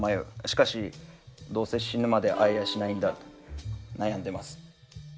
しかしどうせ死ぬまで逢えやしないんだと悩んでます。